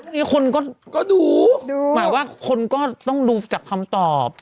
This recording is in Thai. นี่คนก็ดูหมายว่าคนก็ต้องดูจากคำตอบ